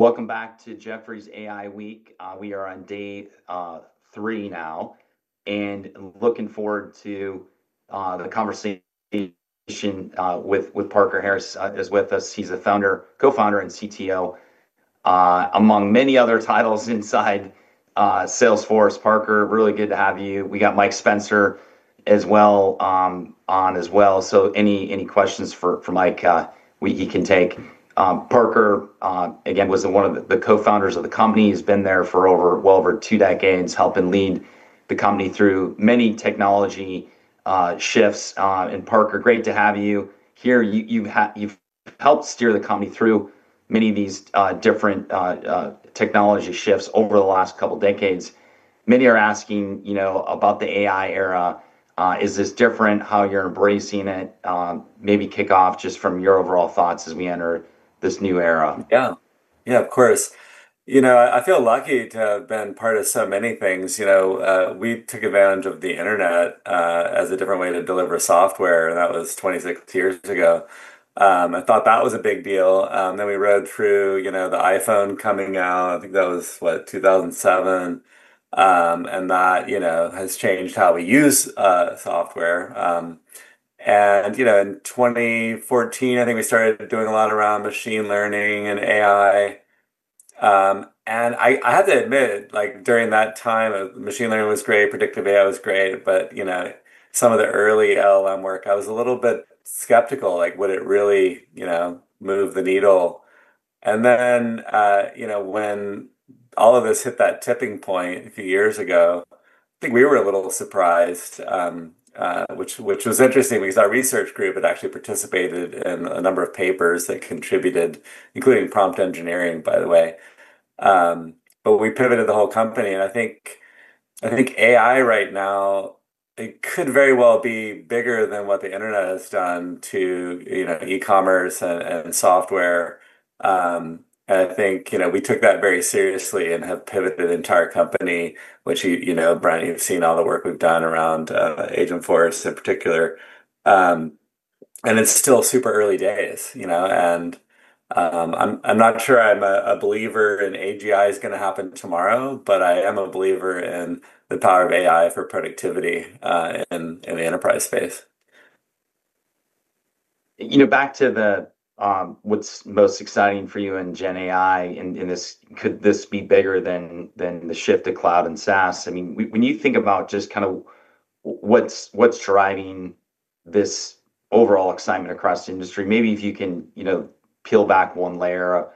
Welcome back to Jefferies AI Week. We are on day three now and looking forward to the conversation with Parker Harris, who is with us. He's a Founder, Co-Founder, and CTO, among many other titles inside Salesforce. Parker, really good to have you. We got Mike Spencer as well on as well, so any questions for Mike, he can take. Parker, again, was one of the Co-Founders of the company. He's been there for over, well, over two decades, helping lead the company through many technology shifts. Parker, great to have you here. You've helped steer the company through many of these different technology shifts over the last couple of decades. Many are asking about the AI era. Is this different, how you're embracing it? Maybe kick off just from your overall thoughts as we enter this new era. Yeah, yeah, of course. I feel lucky to have been part of so many things. We took advantage of the internet as a different way to deliver software, and that was 26 years ago. I thought that was a big deal. We rode through the iPhone coming out. I think that was, what, 2007? That has changed how we use software. In 2014, I think we started doing a lot around machine learning and AI. I had to admit, during that time, machine learning was great, predictive AI was great, but some of the early LLM work, I was a little bit skeptical, like, would it really move the needle? When all of this hit that tipping point a few years ago, I think we were a little surprised, which was interesting because our research group had actually participated in a number of papers that contributed, including prompt engineering, by the way. We pivoted the whole company, and I think AI right now could very well be bigger than what the internet has done to e-commerce and software. I think we took that very seriously and have pivoted the entire company, which, you know, Brent, you've seen all the work we've done around Agent Force in particular. It's still super early days, and I'm not sure I'm a believer in AGI is going to happen tomorrow, but I am a believer in the power of AI for productivity in the enterprise space. Back to what's most exciting for you in Gen AI, could this be bigger than the shift to cloud and SaaS? When you think about what's driving this overall excitement across the industry, maybe if you can peel back one layer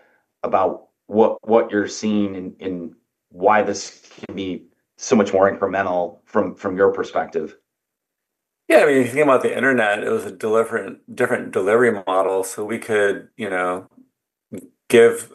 about what you're seeing and why this can be so much more incremental from your perspective. Yeah, I mean, if you think about the internet, it was a different, different delivery model. We could, you know, give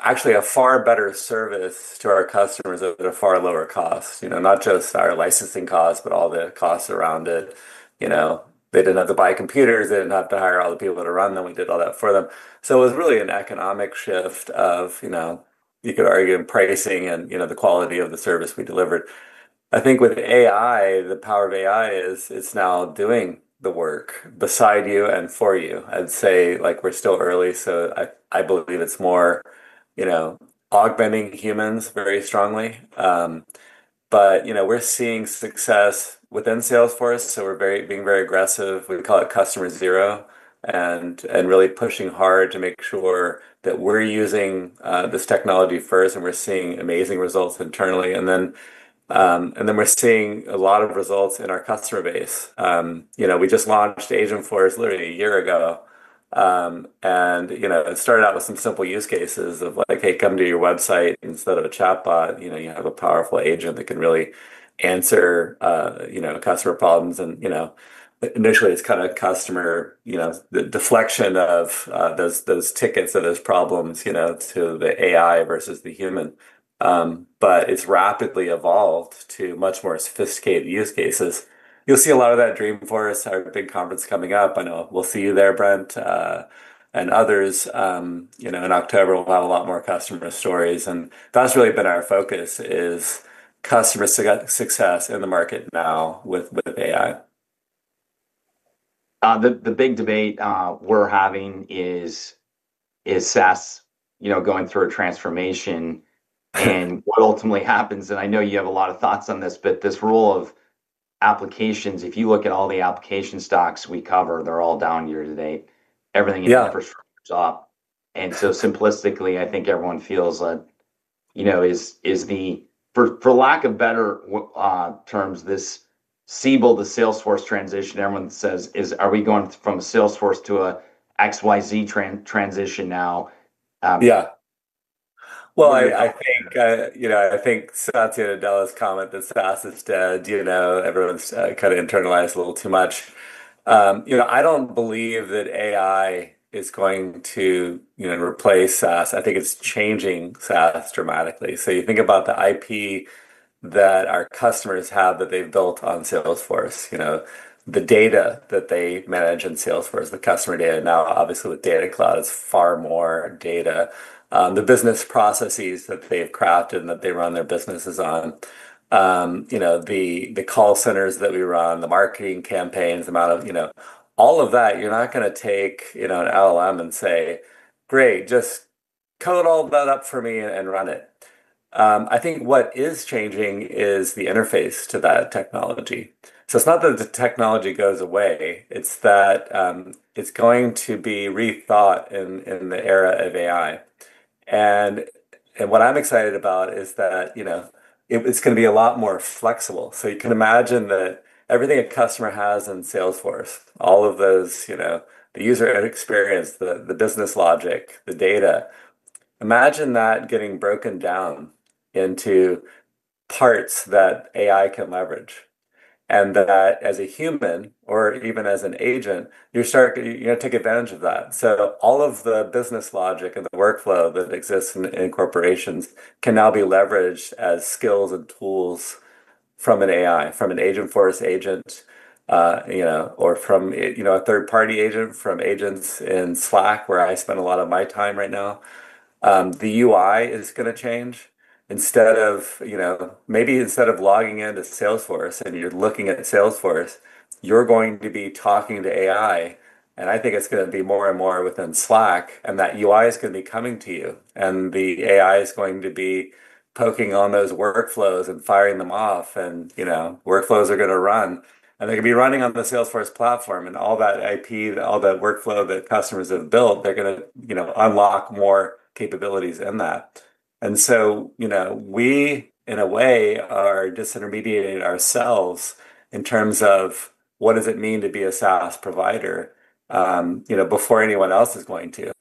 actually a far better service to our customers at a far lower cost, not just our licensing costs, but all the costs around it. They didn't have to buy computers, they didn't have to hire all the people to run them, we did all that for them. It was really an economic shift of, you know, you could argue in pricing and the quality of the service we delivered. I think with AI, the power of AI is, it's now doing the work beside you and for you. I'd say we're still early, so I believe it's more, you know, augmenting humans very strongly. We're seeing success within Salesforce, so we're being very aggressive, we call it customer zero, and really pushing hard to make sure that we're using this technology first, and we're seeing amazing results internally. We're seeing a lot of results in our customer base. We just launched Agent Force literally a year ago. It started out with some simple use cases of like, hey, come to your website instead of a chatbot, you have a powerful agent that can really answer customer problems. Initially it's kind of customer, you know, the deflection of those tickets or those problems to the AI versus the human. It's rapidly evolved to much more sophisticated use cases. You'll see a lot of that at Dreamforce at the big conference coming up. I know we'll see you there, Brent, and others. In October, we'll have a lot more customer stories. That's really been our focus, is customer success in the market now with AI. The big debate we're having is SaaS, you know, going through a transformation. What ultimately happens, and I know you have a lot of thoughts on this, is this rule of applications. If you look at all the application stocks we cover, they're all down year to date. Everything infrastructure is off. Simplistically, I think everyone feels like, you know, is the, for lack of better terms, this Salesforce transition, everyone says, are we going from Salesforce to an XYZ transition now? Yeah, I think Satya Nadella's comment that SaaS is dead, everyone's kind of internalized a little too much. I don't believe that AI is going to replace SaaS. I think it's changing SaaS dramatically. You think about the IP that our customers have that they've built on Salesforce, the data that they manage in Salesforce, the customer data. Now, obviously, with Data Cloud, it's far more data, the business processes that they've crafted and that they run their businesses on, the call centers that we run, the marketing campaigns, the amount of all of that. You're not going to take an LLM and say, great, just code all of that up for me and run it. I think what is changing is the interface to that technology. It's not that the technology goes away, it's that it's going to be rethought in the era of AI. What I'm excited about is that it's going to be a lot more flexible. You can imagine that everything a customer has in Salesforce, all of those, the user experience, the business logic, the data, imagine that getting broken down into parts that AI can leverage. As a human, or even as an agent, you're starting to take advantage of that. All of the business logic and the workflow that exists in corporations can now be leveraged as skills and tools from an AI, from an Agent Force agent, or from a third-party agent, from agents in Slack, where I spend a lot of my time right now. The UI is going to change. Maybe instead of logging into Salesforce and you're looking at Salesforce, you're going to be talking to AI. I think it's going to be more and more within Slack, and that UI is going to be coming to you. The AI is going to be poking on those workflows and firing them off, and workflows are going to run. They're going to be running on the Salesforce platform and all that IP, all that workflow that customers have built, they're going to unlock more capabilities in that. We, in a way, are disintermediating ourselves in terms of what does it mean to be a SaaS provider before anyone else is going to.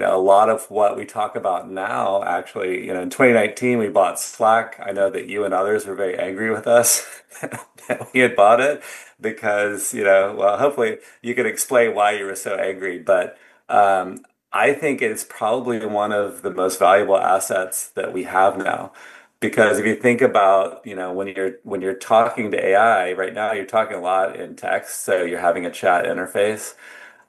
A lot of what we talk about now, actually, in 2019, we bought Slack. I know that you and others were very angry with us that we had bought it because, you know, hopefully you can explain why you were so angry. I think it's probably one of the most valuable assets that we have now. Because if you think about, you know, when you're talking to AI right now, you're talking a lot in text. You're having a chat interface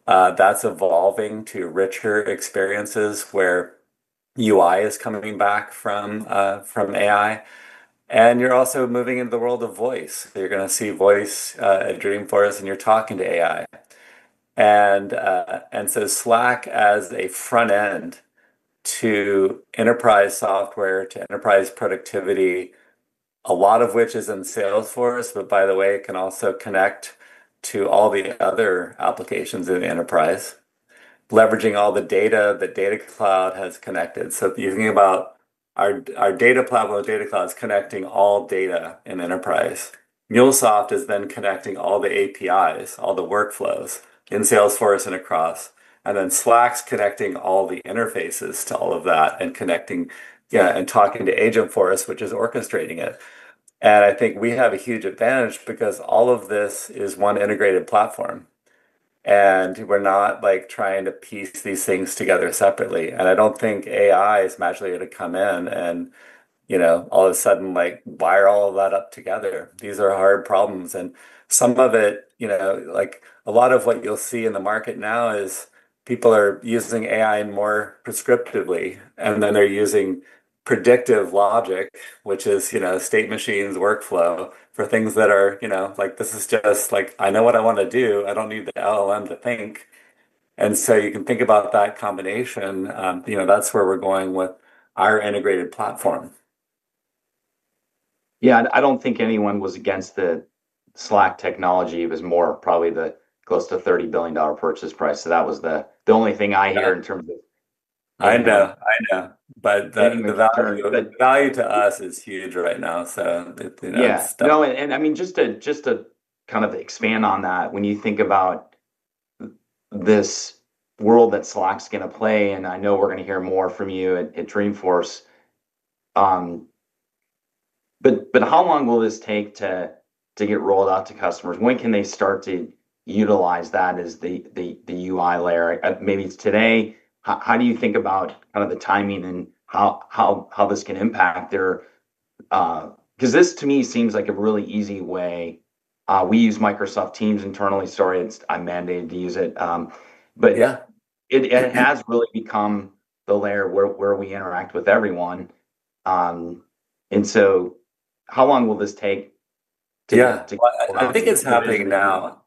that's evolving to richer experiences where UI is coming back from AI. You're also moving into the world of voice. You're going to see voice at Dreamforce and you're talking to AI. Slack as a front end to enterprise software, to enterprise productivity, a lot of which is in Salesforce, but by the way, it can also connect to all the other applications in enterprise, leveraging all the data that Data Cloud has connected. If you think about our Data Cloud, Data Cloud is connecting all data in enterprise. MuleSoft is then connecting all the APIs, all the workflows in Salesforce and across. Slack's connecting all the interfaces to all of that and connecting, yeah, and talking to Agent Force, which is orchestrating it. I think we have a huge advantage because all of this is one integrated platform. We're not like trying to piece these things together separately. I don't think AI is magically going to come in and, you know, all of a sudden, like, wire all of that up together. These are hard problems. Some of it, you know, like a lot of what you'll see in the market now is people are using AI more prescriptively, and then they're using predictive logic, which is, you know, state machines workflow for things that are, you know, like this is just like, I know what I want to do. I don't need the LLM to think. You can think about that combination. That's where we're going with our integrated platform. Yeah, I don't think anyone was against the Slack technology. It was more probably the close to $30 billion purchase price. That was the only thing I hear in terms of. I know, I know, the value to us is huge right now. You know. Yeah, no, and I mean, just to kind of expand on that, when you think about this world that Slack's going to play, and I know we're going to hear more from you at Dreamforce, how long will this take to get rolled out to customers? When can they start to utilize that as the UI layer? Maybe it's today. How do you think about kind of the timing and how this can impact their, because this to me seems like a really easy way. We use Microsoft Teams internally. Sorry, I'm mandated to use it. It has really become the layer where we interact with everyone. How long will this take? Yeah, I think it's happening now.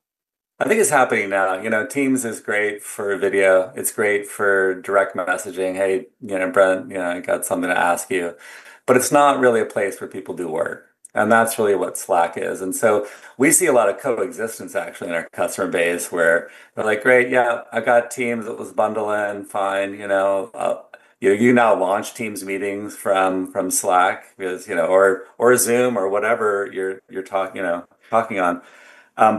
I think it's happening now. You know, Teams is great for video. It's great for direct messaging. Hey, you know, Brent, you know, I got something to ask you. It's not really a place where people do work. That's really what Slack is. We see a lot of coexistence actually in our customer base where they're like, great, yeah, I got Teams that was bundling fine. You can now launch Teams meetings from Slack, you know, or Zoom or whatever you're talking on.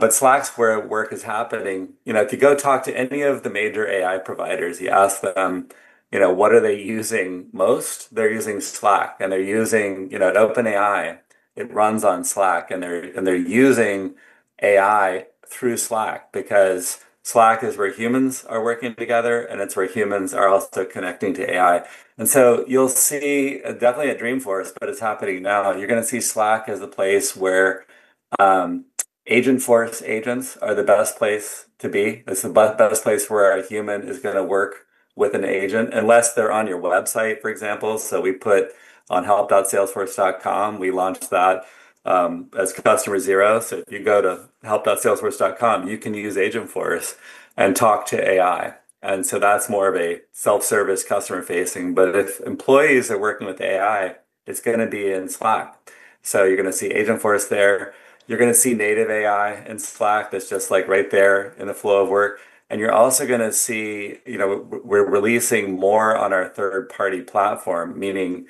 Slack's where work is happening. You know, to go talk to any of the major AI providers, you ask them, you know, what are they using most? They're using Slack and they're using, you know, an OpenAI. It runs on Slack and they're using AI through Slack because Slack is where humans are working together and it's where humans are also connecting to AI. You'll see definitely at Dreamforce, but it's happening now. You're going to see Slack as a place where Agent Force agents are the best place to be. It's the best place where a human is going to work with an agent unless they're on your website, for example. We put on help.salesforce.com, we launched that as customer zero. If you go to help.salesforce.com, you can use Agent Force and talk to AI. That's more of a self-service customer-facing, but if employees are working with AI, it's going to be in Slack. You're going to see Agent Force there. You're going to see native AI in Slack that's just like right there in the flow of work. You're also going to see, you know, we're releasing more on our third-party platform, meaning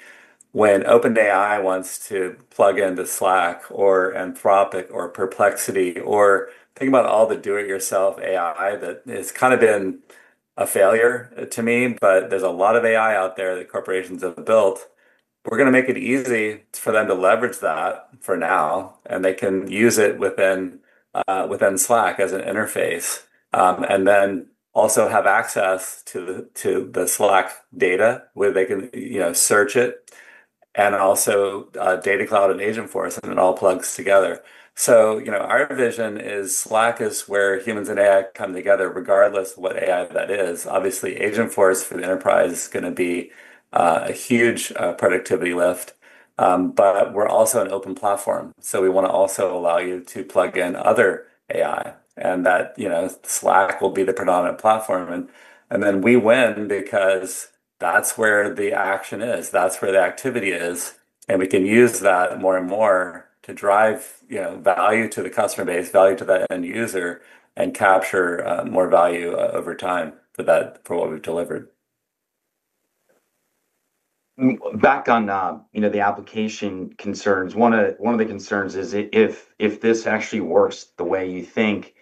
when OpenAI wants to plug into Slack or Anthropic or Perplexity, or think about all the do-it-yourself AI that has kind of been a failure to me, but there's a lot of AI out there that corporations have built. We're going to make it easy for them to leverage that for now, and they can use it within Slack as an interface and then also have access to the Slack data where they can, you know, search it. Also, Data Cloud and Agent Force, and it all plugs together. Our vision is Slack is where humans and AI come together, regardless of what AI that is. Obviously, Agent Force for the enterprise is going to be a huge productivity lift. We're also an open platform. We want to also allow you to plug in other AI. Slack will be the predominant platform. We win because that's where the action is. That's where the activity is. We can use that more and more to drive value to the customer base, value to the end user, and capture more value over time for what we've delivered. Back on the application concerns, one of the concerns is if this actually works the way you think,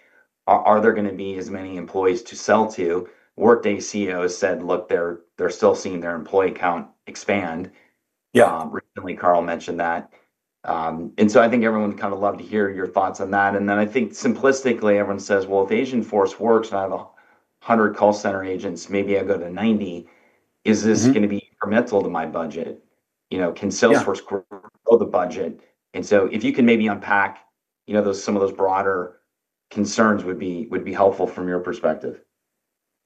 are there going to be as many employees to sell to? Workday CEO said, look, they're still seeing their employee count expand. Recently, Carl mentioned that. I think everyone would kind of love to hear your thoughts on that. I think simplistically, everyone says, if Agent Force works and I have 100 call center agents, maybe I go to 90. Is this going to be incremental to my budget? Can Salesforce grow the budget? If you can maybe unpack some of those broader concerns, it would be helpful from your perspective.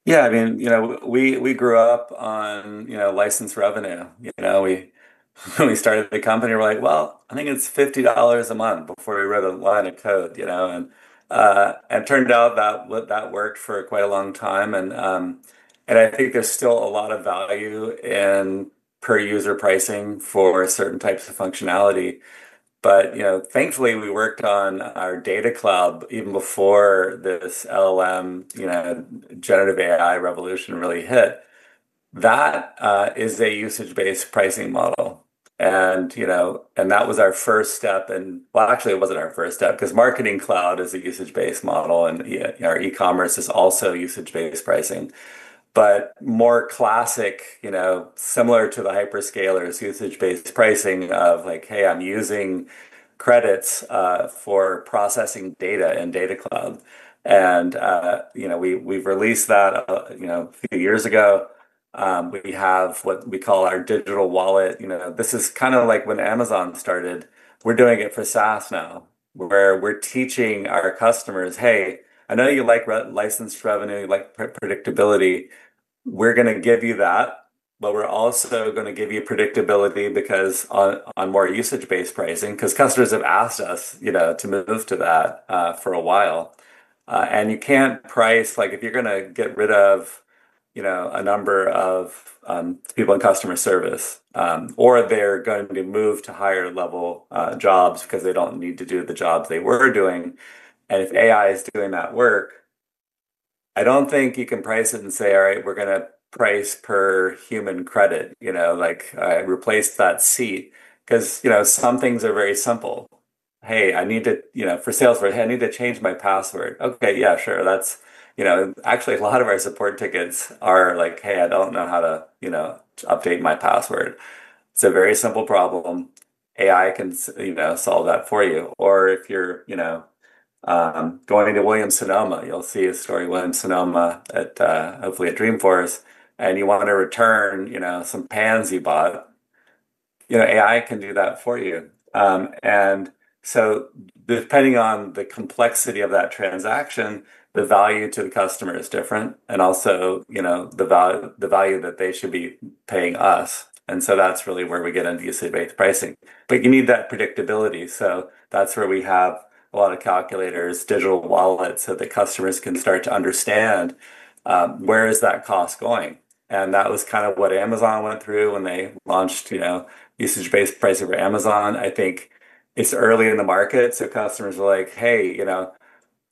Yeah, I mean, you know, we grew up on, you know, licensed revenue. You know, we started the company. We're like, well, I think it's $50 a month before we wrote a line of code, you know, and it turned out that that worked for quite a long time. I think there's still a lot of value in per user pricing for certain types of functionality. Thankfully, we worked on our Data Cloud even before this LLM, you know, generative AI revolution really hit. That is a usage-based pricing model. That was our first step. Actually, it wasn't our first step because Marketing Cloud is a usage-based model. Our e-commerce is also usage-based pricing. More classic, you know, similar to the hyperscalers' usage-based pricing of like, hey, I'm using credits for processing data in Data Cloud. We've released that a few years ago. We have what we call our digital wallet. This is kind of like when Amazon started. We're doing it for SaaS now, where we're teaching our customers, hey, I know you like licensed revenue, you like predictability. We're going to give you that, but we're also going to give you predictability because on more usage-based pricing, because customers have asked us to move to that for a while. You can't price, like if you're going to get rid of a number of people in customer service, or they're going to move to higher level jobs because they don't need to do the jobs they were doing, and if AI is doing that work, I don't think you can price it and say, all right, we're going to price per human credit, you know, like replace that seat. Some things are very simple. Hey, I need to, you know, for Salesforce, hey, I need to change my password. Okay, yeah, sure. That's, you know, actually a lot of our support tickets are like, hey, I don't know how to, you know, update my password. It's a very simple problem. AI can, you know, solve that for you. Or if you're, you know, going to Williams-Sonoma, you'll see a story of Williams-Sonoma at, hopefully at Dreamforce. You wanted to return, you know, some pans you bought. AI can do that for you. Depending on the complexity of that transaction, the value to the customer is different and also, you know, the value that they should be paying us. That's really where we get into usage-based pricing. You need that predictability. That's where we have a lot of calculators, digital wallets that the customers can start to understand, where is that cost going? That was kind of what Amazon went through when they launched, you know, usage-based pricing for Amazon. I think it's early in the market. Customers are like, hey, you know,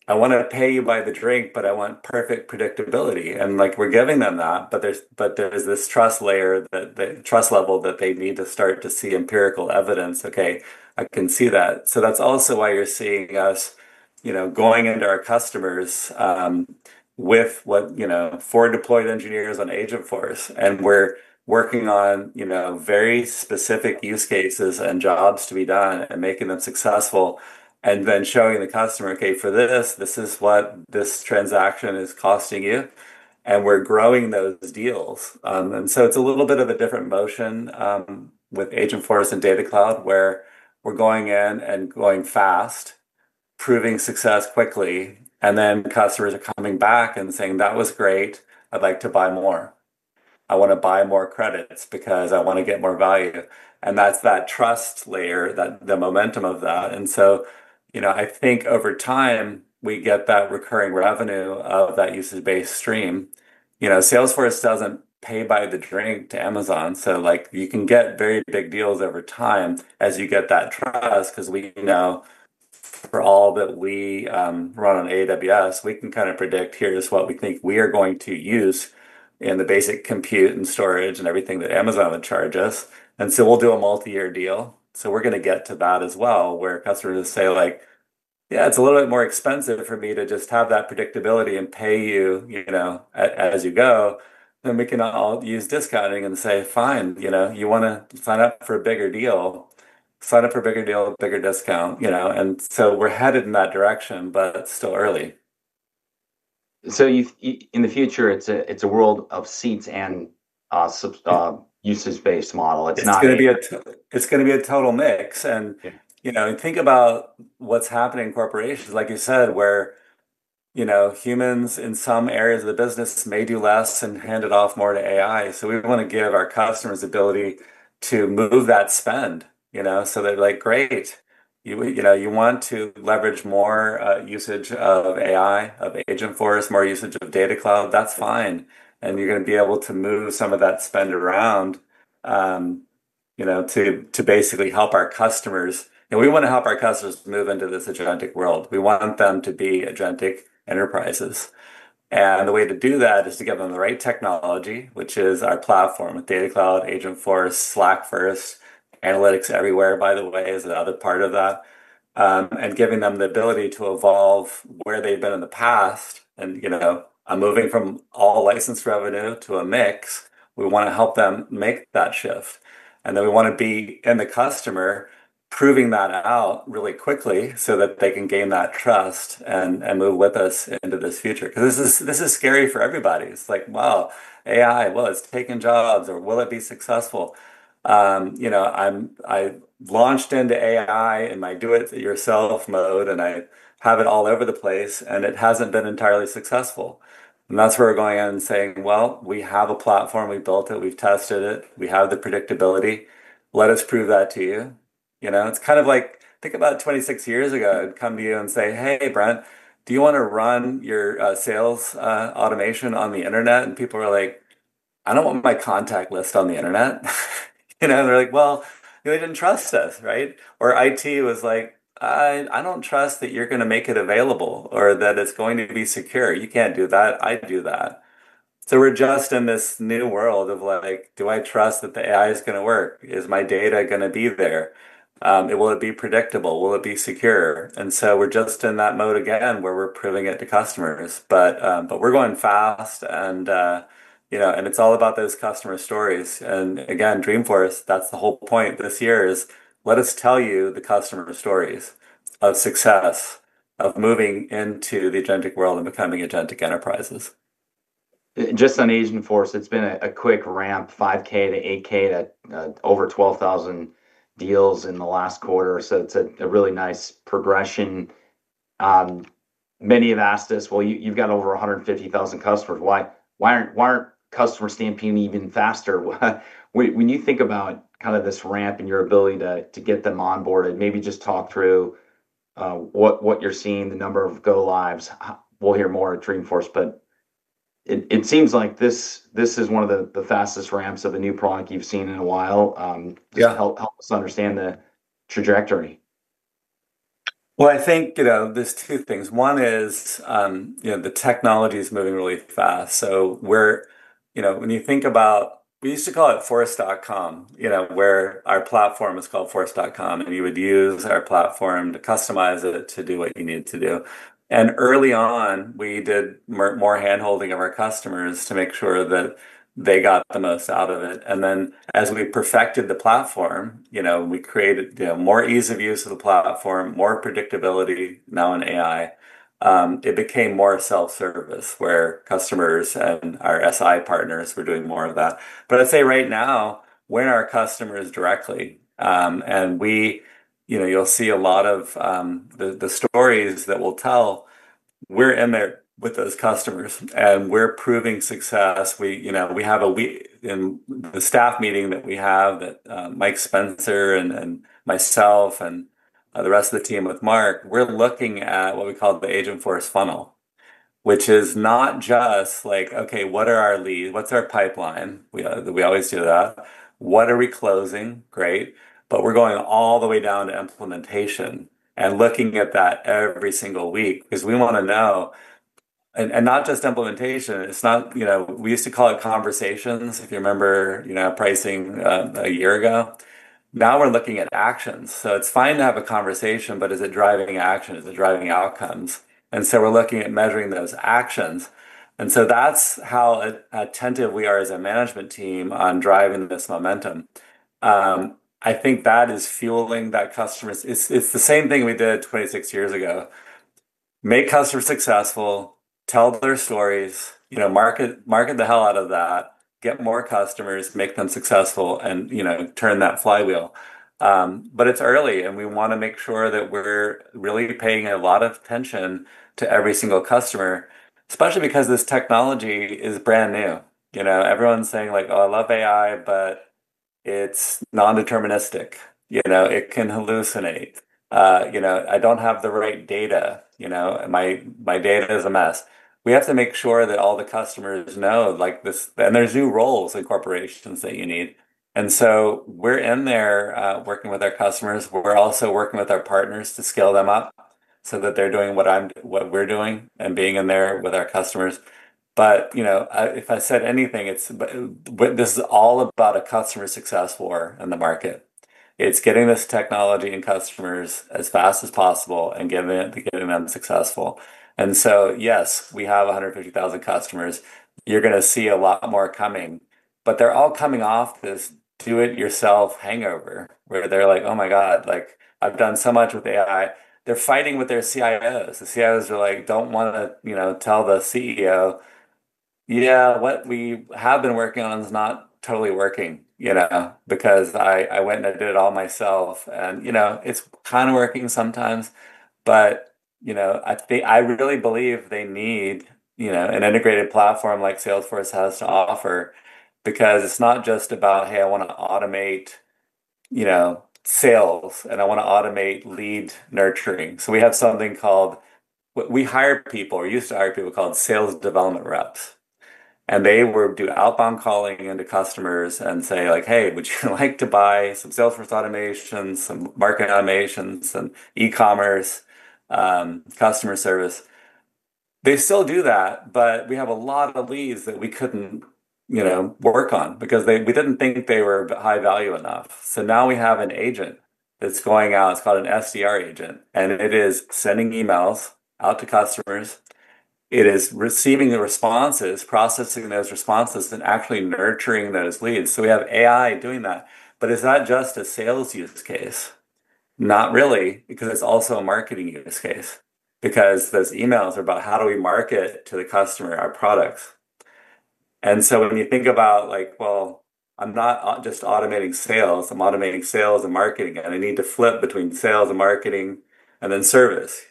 I want to pay you by the drink, but I want perfect predictability. We're giving them that. There is this trust layer that they need to start to see empirical evidence. Okay, I can see that. That's also why you're seeing us going into our customers with, you know, four deployed engineers on Agent Force. We're working on very specific use cases and jobs to be done and making them successful, then showing the customer, okay, for this, this is what this transaction is costing you. We're growing those deals. It's a little bit of a different motion with Agent Force and Data Cloud where we're going in and going fast, proving success quickly. Customers are coming back and saying, that was great. I'd like to buy more. I want to buy more credits because I want to get more value. That's that trust layer, that momentum of that. Over time we get that recurring revenue of that usage-based stream. Salesforce doesn't pay by the drink to Amazon. You can get very big deals over time as you get that trust because we know for all that we run on AWS, we can kind of predict here is what we think we are going to use in the basic compute and storage and everything that Amazon would charge us. We'll do a multi-year deal. We're going to get to that as well where customers say, yeah, it's a little bit more expensive for me to just have that predictability and pay you, you know, as you go. We can all use discounting and say, fine, you know, you want to sign up for a bigger deal. Sign up for a bigger deal, a bigger discount, you know. We're headed in that direction, but still early. In the future, it's a world of seats and usage-based model. It's going to be a total mix. Think about what's happening in corporations, like you said, where humans in some areas of the business may do less and hand it off more to AI. We want to give our customers the ability to move that spend, so they're like, great, you want to leverage more usage of AI, of Agent Force, more usage of Data Cloud. That's fine. You're going to be able to move some of that spend around to basically help our customers. We want to help our customers move into this agentic world. We want them to be agentic enterprises. The way to do that is to give them the right technology, which is our platform with Data Cloud, Agent Force, Slack First, Analytics Everywhere, by the way, is another part of that, and giving them the ability to evolve where they've been in the past. I'm moving from all licensed revenue to a mix. We want to help them make that shift. We want to be in the customer, proving that out really quickly so that they can gain that trust and move with us into this future. This is scary for everybody. It's like, wow, AI, it's taking jobs, or will it be successful? I launched into AI in my do-it-yourself mode, and I have it all over the place, and it hasn't been entirely successful. That's where we're going in and saying, we have a platform, we built it, we've tested it, we have the predictability. Let us prove that to you. It's kind of like, think about 26 years ago, I'd come to you and say, hey, Brent, do you want to run your sales automation on the internet? People were like, I don't want my contact list on the internet. They didn't trust us, right? Or IT was like, I don't trust that you're going to make it available or that it's going to be secure. You can't do that. I'd do that. We're just in this new world of, do I trust that the AI is going to work? Is my data going to be there? Will it be predictable? Will it be secure? We're just in that mode again where we're proving it to customers. We're going fast. It's all about those customer stories. Dreamforce, that's the whole point this year, is let us tell you the customer stories of success, of moving into the agentic world and becoming agentic enterprises. Just on Agent Force, it's been a quick ramp, 5,000-8,000 to over 12,000 deals in the last quarter. It's a really nice progression. Many have asked us, you've got over 150,000 customers. Why aren't customers stamping even faster? When you think about this ramp and your ability to get them onboarded, maybe just talk through what you're seeing, the number of go lives. We'll hear more at Dreamforce, but it seems like this is one of the fastest ramps of the new product you've seen in a while. Help us understand the trajectory. I think, you know, there's two things. One is, you know, the technology is moving really fast. We're, you know, when you think about, we used to call it force.com, you know, where our platform is called force.com, and you would use our platform to customize it to do what you needed to do. Early on, we did more hand-holding of our customers to make sure that they got the most out of it. As we perfected the platform, you know, we created, you know, more ease of use of the platform, more predictability, now in AI. It became more self-service where customers and our SI partners were doing more of that. I'd say right now, we're our customers directly. You know, you'll see a lot of the stories that we'll tell. We're in there with those customers, and we're proving success. We, you know, we have a, in the staff meeting that we have that Mike Spencer and myself and the rest of the team with Marc, we're looking at what we call the Agent Force funnel, which is not just like, okay, what are our leads? What's our pipeline? We always do that. What are we closing? Great. We're going all the way down to implementation and looking at that every single week because we want to know, and not just implementation, it's not, you know, we used to call it conversations. If you remember, you know, pricing a year ago, now we're looking at actions. It's fine to have a conversation, but is it driving action? Is it driving outcomes? We're looking at measuring those actions. That's how attentive we are as a management team on driving this momentum. I think that is fueling that customers. It's the same thing we did 26 years ago. Make customers successful, tell their stories, you know, market the hell out of that, get more customers, make them successful, and, you know, turn that flywheel. It's early, and we want to make sure that we're really paying a lot of attention to every single customer, especially because this technology is brand new. You know, everyone's saying like, oh, I love AI, but it's non-deterministic. You know, it can hallucinate. You know, I don't have the right data, you know, my data is a mess. We have to make sure that all the customers know, like this, and there's new roles in corporations that you need. We're in there, working with our customers. We're also working with our partners to scale them up so that they're doing what I'm, what we're doing and being in there with our customers. If I said anything, it's that this is all about a customer success war in the market. It's getting this technology in customers as fast as possible and getting them successful. Yes, we have 150,000 customers. You're going to see a lot more coming, but they're all coming off this do-it-yourself hangover where they're like, oh my God, I've done so much with AI. They're fighting with their CIOs. The CIOs don't want to tell the CEO, yeah, what we have been working on is not totally working, because I went and I did it all myself. It's kind of working sometimes, but I really believe they need an integrated platform like Salesforce has to offer because it's not just about, hey, I want to automate sales, and I want to automate lead nurturing. We have something called, we hire people, we used to hire people called sales development reps, and they would do outbound calling into customers and say, hey, would you like to buy some Salesforce automations, some marketing automations, some e-commerce, customer service? They still do that, but we have a lot of leads that we couldn't work on because we didn't think they were high value enough. Now we have an agent that's going out, it's called an SDR agent, and it is sending emails out to customers. It is receiving the responses, processing those responses, and actually nurturing those leads. We have AI doing that. Is that just a sales use case? Not really, because it's also a marketing use case, because those emails are about how do we market to the customer our products. When you think about, well, I'm not just automating sales, I'm automating sales and marketing, and I need to flip between sales and marketing and then service,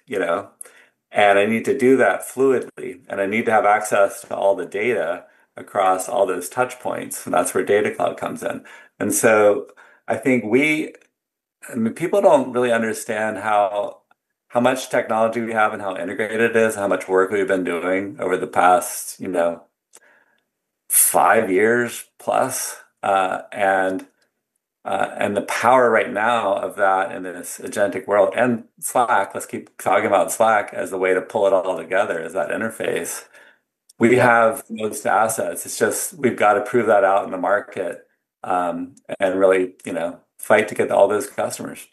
and I need to do that fluidly, and I need to have access to all the data across all those touch points, that's where Data Cloud comes in. I think people don't really understand how much technology we have and how integrated it is and how much work we've been doing over the past five years plus. The power right now of that in this agentic world and Slack, let's keep talking about Slack as the way to pull it all together as that interface. We have those assets, we've got to prove that out in the market, and really fight to get to all those customers.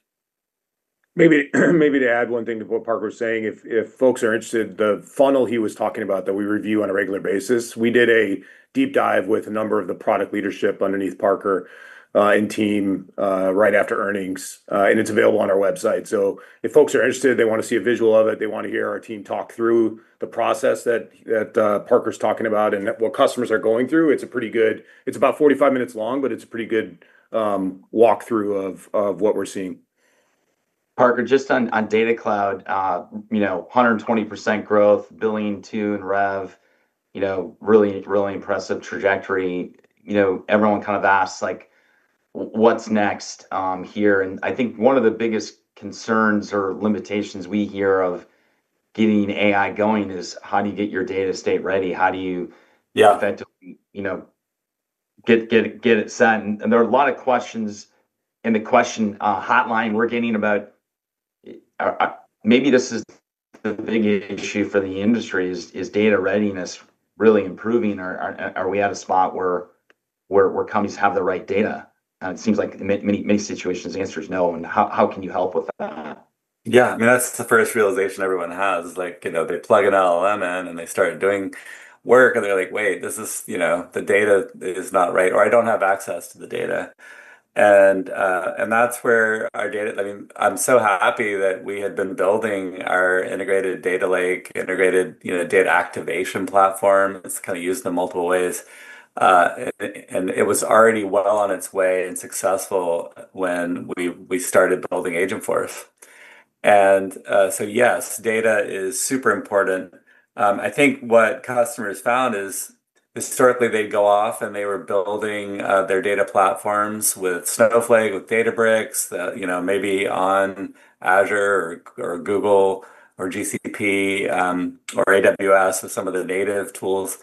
Maybe, maybe to add one thing to what Parker was saying, if folks are interested, the funnel he was talking about that we review on a regular basis, we did a deep dive with a number of the product leadership underneath Parker and team right after earnings, and it's available on our website. If folks are interested, they want to see a visual of it, they want to hear our team talk through the process that Parker's talking about and what customers are going through. It's a pretty good, it's about 45 minutes long, but it's a pretty good walkthrough of what we're seeing. Parker, just on Data Cloud, you know, 120% growth, billion tune rev, you know, really, really impressive trajectory. Everyone kind of asks like, what's next here? I think one of the biggest concerns or limitations we hear of getting AI going is how do you get your data state ready? How do you, yeah, effectively, you know, get it set? There are a lot of questions in the question hotline we're getting about, maybe this is the big issue for the industry, is data readiness really improving? Or are we at a spot where companies have the right data? It seems like in many, many situations, the answer is no. How can you help with that? Yeah, I mean, that's the first realization everyone has is like, you know, they plug an LLM in and they started doing work and they're like, wait, this is, you know, the data is not right or I don't have access to the data. That's where our data, I mean, I'm so happy that we had been building our integrated data lake, integrated, you know, data activation platform that's kind of used in multiple ways. It was already well on its way and successful when we started building Agent Force. Yes, data is super important. I think what customers found is historically they'd go off and they were building their data platforms with Snowflake, with Databricks, maybe on Azure or Google or GCP, or AWS with some of the native tools,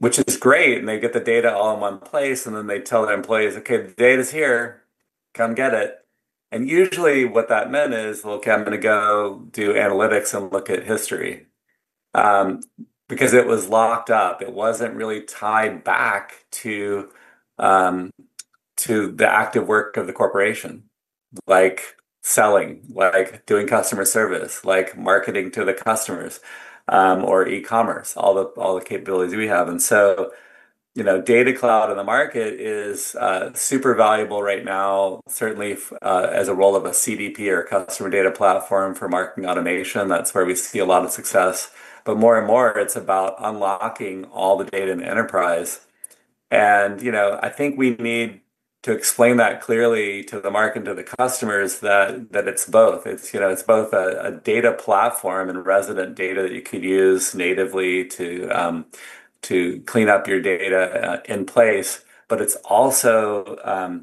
which is great. They get the data all in one place and then they tell their employees, okay, the data's here, come get it. Usually what that meant is, okay, I'm going to go do analytics and look at history because it was locked up, it wasn't really tied back to the active work of the corporation, like selling, like doing customer service, like marketing to the customers, or e-commerce, all the capabilities we have. You know, Data Cloud in the market is super valuable right now, certainly as a role of a CDP or a customer data platform for marketing automation. That's where we see a lot of success. More and more, it's about unlocking all the data in enterprise. I think we need to explain that clearly to the market, to the customers, that it's both. It's both a data platform and resident data that you can use natively to clean up your data in place. It's also an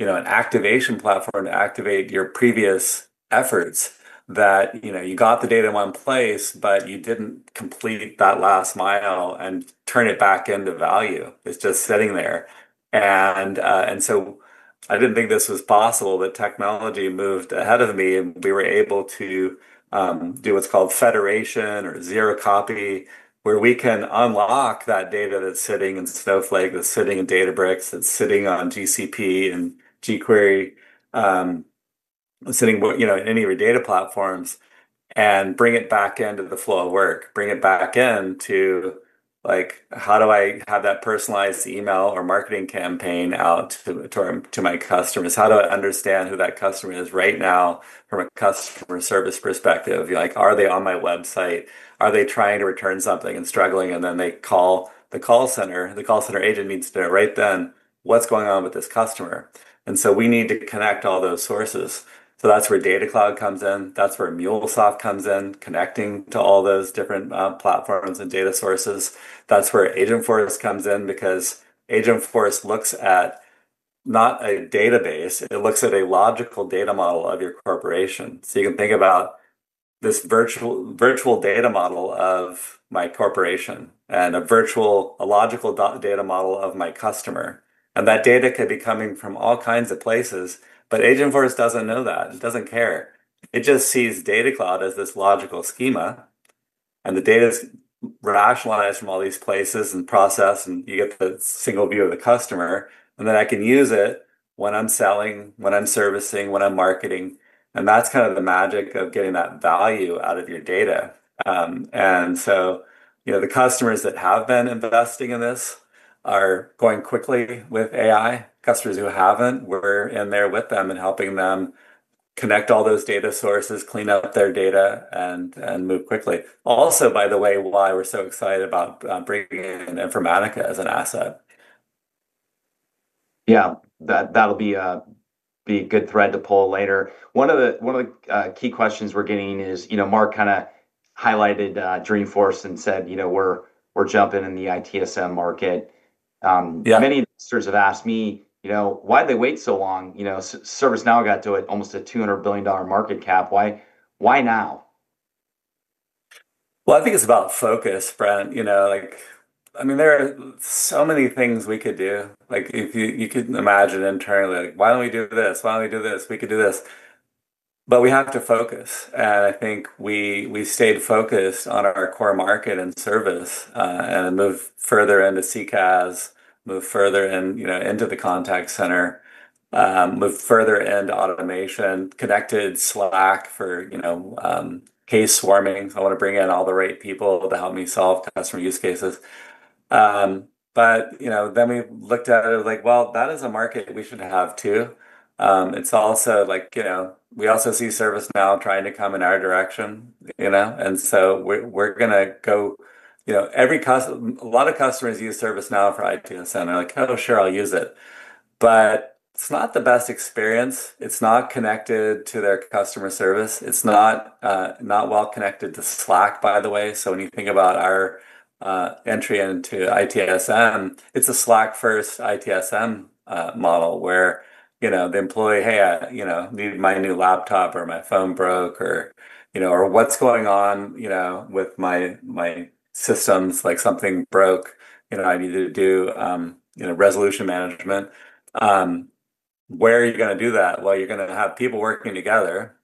activation platform to activate your previous efforts that, you know, you got the data in one place, but you didn't complete that last mile and turn it back into value. It's just sitting there. I didn't think this was possible that technology moved ahead of me and we were able to do what's called federation or zero copy where we can unlock that data that's sitting in Snowflake, that's sitting in Databricks, that's sitting on GCP and GQuery, sitting in any of your data platforms and bring it back into the flow of work, bring it back into like, how do I have that personalized email or marketing campaign out to my customers? How do I understand who that customer is right now from a customer service perspective? You're like, are they on my website? Are they trying to return something and struggling? Then they call the call center and the call center agent needs to know right then what's going on with this customer. We need to connect all those sources. That's where Data Cloud comes in. That's where MuleSoft comes in, connecting to all those different platforms and data sources. That's where Agent Force comes in because Agent Force looks at not a database, it looks at a logical data model of your corporation. You can think about this virtual data model of my corporation and a virtual, a logical data model of my customer. That data could be coming from all kinds of places, but Agent Force doesn't know that. It doesn't care. It just sees Data Cloud as this logical schema. The data's rationalized from all these places and processed, and you get the single view of the customer. I can use it when I'm selling, when I'm servicing, when I'm marketing. That's kind of the magic of getting that value out of your data. The customers that have been investing in this are going quickly with AI. Customers who haven't, we're in there with them and helping them connect all those data sources, clean out their data, and move quickly. Also, by the way, why we're so excited about bringing in Informatica as an asset. Yeah, that'll be a good thread to pull later. One of the key questions we're getting is, you know, Mark kind of highlighted Dreamforce and said, you know, we're jumping in the IT Service Management market. Many listeners have asked me, you know, why did they wait so long? You know, ServiceNow got to almost a $200 billion market cap. Why now? I think it's about focus, Brent. You know, like, I mean, there are so many things we could do. If you could imagine internally, like, why don't we do this? Why don't we do this? We could do this. We have to focus. I think we stayed focused on our core market and service, and move further into CCaaS, move further into the contact center, move further into automation, connected Slack for case swarming. I want to bring in all the right people to help me solve customer use cases. You know, then we looked at it like, that is a market we should have too. It's also like, you know, we also see ServiceNow trying to come in our direction, you know, and we're going to go, you know, every customer, a lot of customers use ServiceNow for ITSM, and I'm like, I'm sure I'll use it. It's not the best experience. It's not connected to their customer service. It's not, not well connected to Slack, by the way. When you think about our entry into ITSM, it's a Slack-first ITSM model where the employee, hey, I need my new laptop or my phone broke or what's going on with my systems, like something broke, I need to do resolution management. Where are you going to do that? You're going to have people working together.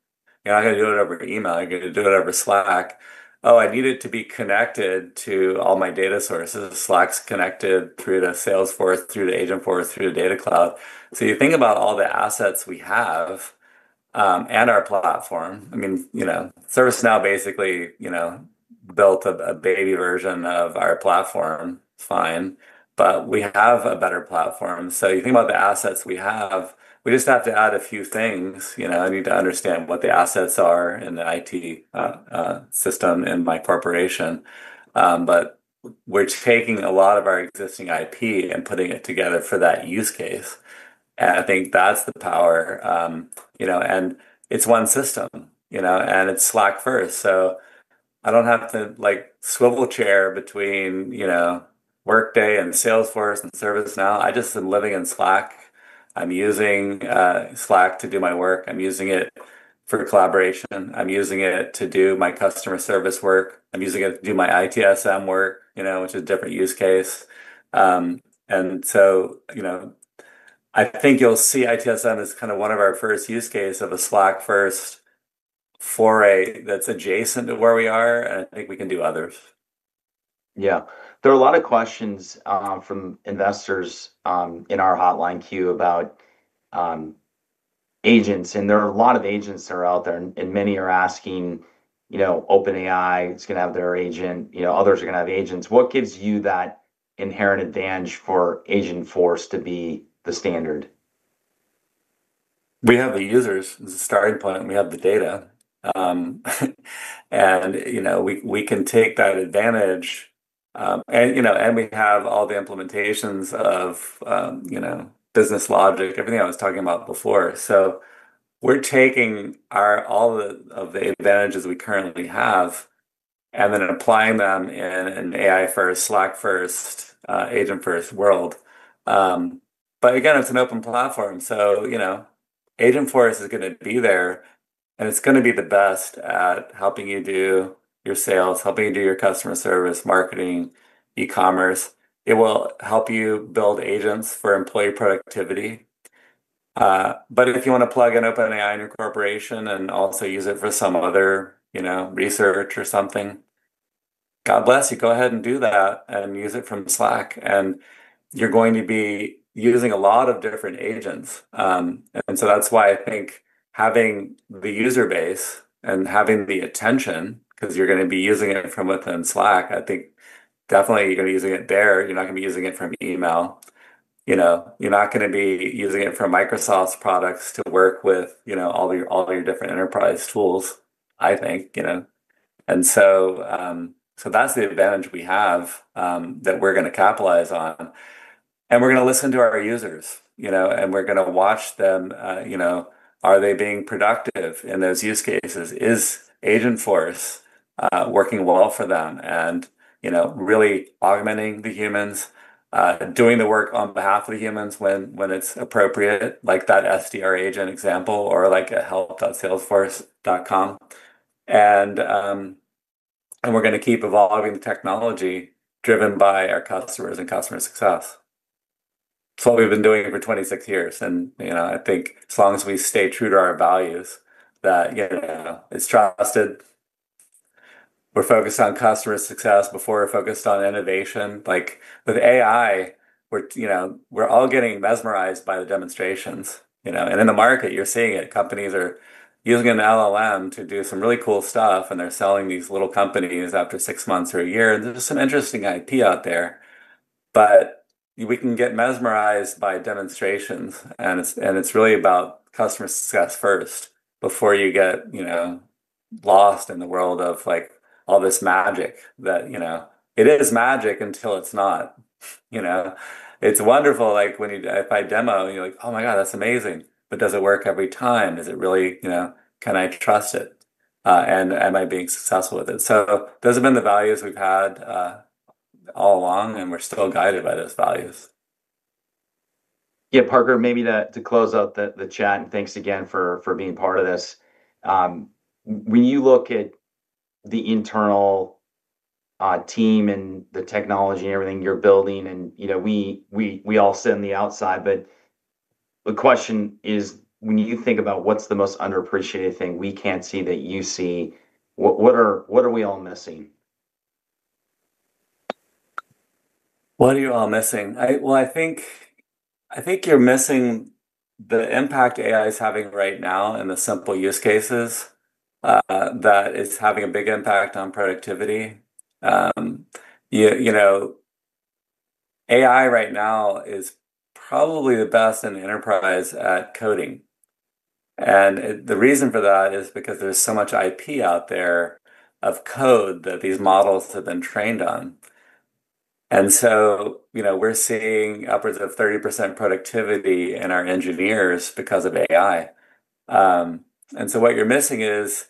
You're not going to do it over email. You're going to do it over Slack. Oh, I need it to be connected to all my data sources. Slack's connected through Salesforce, through Agent Force, through Data Cloud. You think about all the assets we have, and our platform. I mean, you know, ServiceNow basically built a baby version of our platform. It's fine, but we have a better platform. You think about the assets we have. We just have to add a few things. I need to understand what the assets are in the IT system in my corporation. We're taking a lot of our existing IP and putting it together for that use case. I think that's the power, you know, and it's one system, and it's Slack-first. I don't have to swivel chair between Workday and Salesforce and ServiceNow. I just am living in Slack. I'm using Slack to do my work. I'm using it for collaboration. I'm using it to do my customer service work. I'm using it to do my ITSM work, which is a different use case. I think you'll see ITSM is kind of one of our first use cases of a Slack-first foray that's adjacent to where we are. I think we can do others. Yeah, there are a lot of questions from investors in our hotline queue about agents. There are a lot of agents that are out there, and many are asking, you know, OpenAI is going to have their agent, you know, others are going to have agents. What gives you that inherent advantage for Agent Force to be the standard? We have the users starting to plan. We have the data, and we can take that advantage, and we have all the implementations of business logic, everything I was talking about before. We're taking all of the advantages we currently have and then applying them in an AI-first, Slack-first, Agent-first world. It's an open platform. Agent Force is going to be there, and it's going to be the best at helping you do your sales, helping you do your customer service, marketing, e-commerce. It will help you build agents for employee productivity. If you want to plug in OpenAI in your corporation and also use it for some other research or something, God bless you, go ahead and do that and use it from Slack. You're going to be using a lot of different agents. That's why I think having the user base and having the attention, because you're going to be using it from within Slack, I think definitely you're going to be using it there. You're not going to be using it from email. You're not going to be using it from Microsoft's products to work with all the different enterprise tools, I think. That's the advantage we have, that we're going to capitalize on. We're going to listen to our users, and we're going to watch them. Are they being productive in those use cases? Is Agent Force working well for them? Really augmenting the humans, doing the work on behalf of the humans when it's appropriate, like that SDR agent example or like at help.salesforce.com. We're going to keep evolving technology driven by our customers and customer success. That's what we've been doing for 26 years. I think as long as we stay true to our values, that, yeah, it's trusted. We're focused on customer success before we're focused on innovation. Like with AI, we're all getting mesmerized by the demonstrations, and in the market, you're seeing it. Companies are using an LLM to do some really cool stuff, and they're selling these little companies after six months or a year. There's some interesting IP out there. We can get mesmerized by demonstrations. It's really about customer success first before you get lost in the world of all this magic that, you know, it is magic until it's not. It's wonderful. Like when you, if I demo, you're like, oh my God, that's amazing. But does it work every time? Is it really, can I trust it, and am I being successful with it? Those have been the values we've had all along, and we're still guided by those values. Yeah, Parker, maybe to close out the chat, and thanks again for being part of this. When you look at the internal team and the technology and everything you're building, and you know, we all sit on the outside, but the question is, when you think about what's the most underappreciated thing we can't see that you see, what are we all missing? What are you all missing? I think you're missing the impact AI is having right now in the simple use cases, that it's having a big impact on productivity. You know, AI right now is probably the best in the enterprise at coding. The reason for that is because there's so much IP out there of code that these models have been trained on. We're seeing upwards of 30% productivity in our engineers because of AI. What you're missing is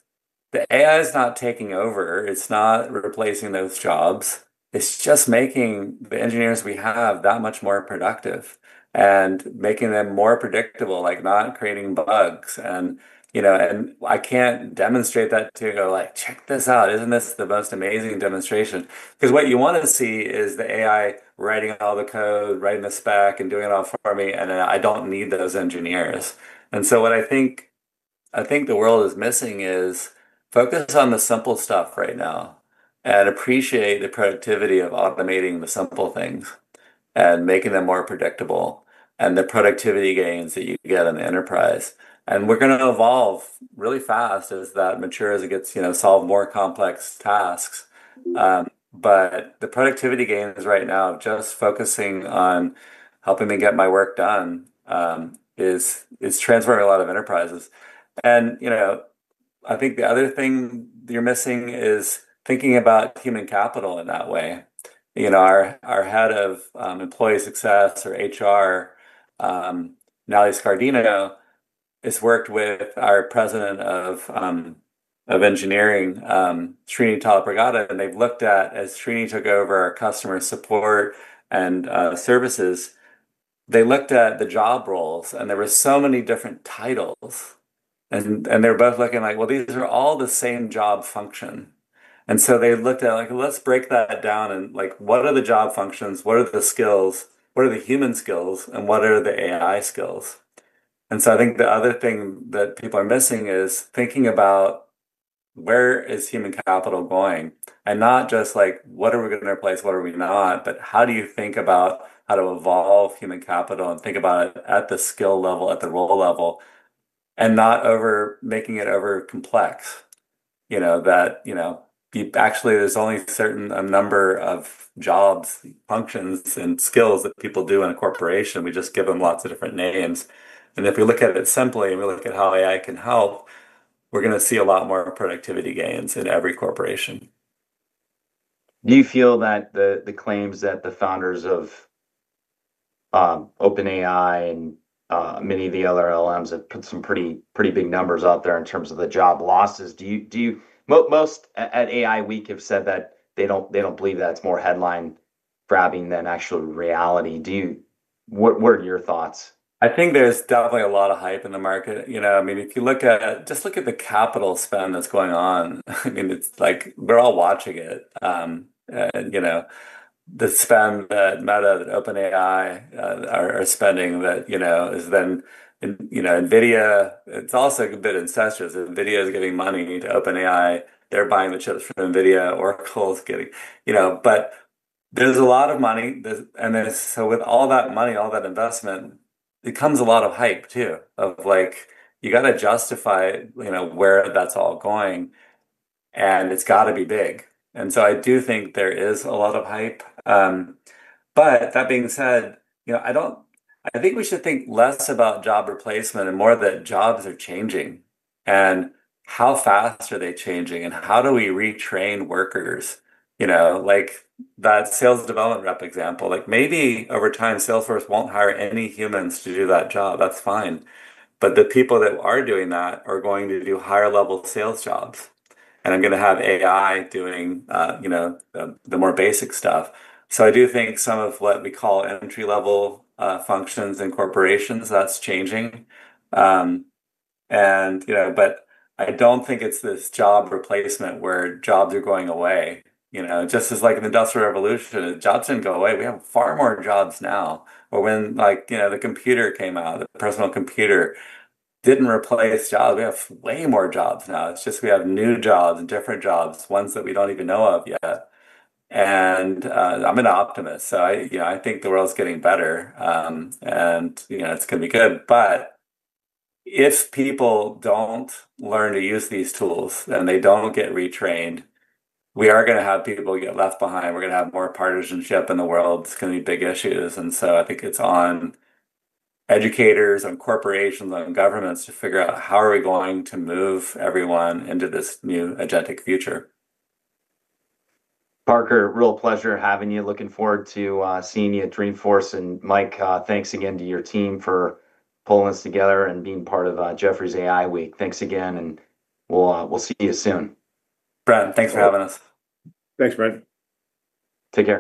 the AI is not taking over. It's not replacing those jobs. It's just making the engineers we have that much more productive and making them more predictable, like not creating bugs. I can't demonstrate that to you. Like, check this out. Isn't this the most amazing demonstration? What you want to see is the AI writing all the code, writing the spec, and doing it all for me. Then I don't need those engineers. What I think the world is missing is focus on the simple stuff right now and appreciate the productivity of automating the simple things and making them more predictable and the productivity gains that you get in the enterprise. We're going to evolve really fast as that matures and gets, you know, solve more complex tasks. The productivity gains right now of just focusing on helping me get my work done is transforming a lot of enterprises. I think the other thing you're missing is thinking about human capital in that way. Our Head of Employee Success or HR, Nathalie Scardino, has worked with our President of Engineering, Srinivas Tallapragada, and they've looked at, as Srini took over customer support and services, they looked at the job roles and there were so many different titles. They were both looking like, well, these are all the same job function. They looked at like, let's break that down and like, what are the job functions? What are the skills? What are the human skills? What are the AI skills? I think the other thing that people are missing is thinking about where is human capital going and not just like, what are we going to replace? What are we not? How do you think about how to evolve human capital and think about it at the skill level, at the role level, and not making it overcomplex? You know, you actually, there's only a certain number of job functions and skills that people do in a corporation. We just give them lots of different names. If we look at it simply and we look at how AI can help, we're going to see a lot more productivity gains in every corporation. Do you feel that the claims that the founders of OpenAI and many of the other LLMs have put some pretty big numbers out there in terms of the job losses? Most at AI Week have said that they don't believe that's more headline grabbing than actual reality. What are your thoughts? I think there's definitely a lot of hype in the market. I mean, if you look at, just look at the capital spend that's going on. I mean, it's like, we're all watching it. You know, the spend that Meta, that OpenAI are spending, that has been, you know, NVIDIA, it's also a good bit of ancestors that NVIDIA is giving money to OpenAI. They're buying the chips from NVIDIA. Oracle's giving, you know, but there's a lot of money. With all that money, all that investment, it comes a lot of hype too, like, you got to justify where that's all going. It's got to be big. I do think there is a lot of hype. That being said, I think we should think less about job replacement and more that jobs are changing and how fast are they changing and how do we retrain workers. You know, like that sales development rep example, like maybe over time, Salesforce won't hire any humans to do that job. That's fine. The people that are doing that are going to do higher level sales jobs. I'm going to have AI doing the more basic stuff. I do think some of what we call entry-level functions in corporations, that's changing. I don't think it's this job replacement where jobs are going away. Just as like in the industrial revolution, jobs didn't go away. We have far more jobs now. When the computer came out, the personal computer didn't replace jobs. We have way more jobs now. It's just we have new jobs, different jobs, ones that we don't even know of yet. I'm an optimist. I think the world's getting better, and it's going to be good. If people don't learn to use these tools and they don't get retrained, we are going to have people get left behind. We're going to have more partisanship in the world. It's going to be big issues. I think it's on educators, on corporations, on governments to figure out how are we going to move everyone into this new agentic future. Parker, real pleasure having you. Looking forward to seeing you at Dreamforce. Mike, thanks again to your team for pulling us together and being part of Jefferies AI Week. Thanks again. We'll see you soon. Brent, thanks for having us. Thanks, Brent. Take care.